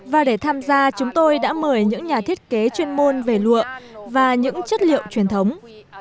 và để tham gia chúng tôi đã mời những nhà thiết kế chuyên môn về lụa và những chất liệu truyền thống